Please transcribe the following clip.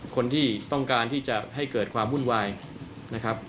คนที่ต้องการที่จะให้เกิดความวุ่นวายนะครับ